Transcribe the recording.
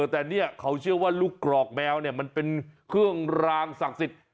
แต่เนี่ยเขาเชื่อว่าลูกกรอกแมวเนี่ยมันเป็นเครื่องรางศักดิ์สิทธิ์